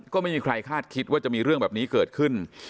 ก็ไม่มีใครคาดคิดว่าจะมีเรื่องแบบนี้เกิดขึ้น